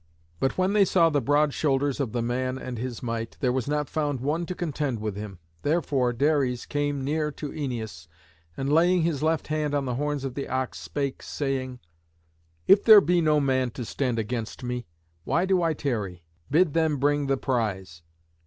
But when they saw the broad shoulders of the man and his might there was not found one to contend with him. Therefore Dares came near to Æneas, and, laying his left hand on the horns of the ox, spake, saying, "If there be no man to stand against me, why do I tarry? Bid them bring the prize."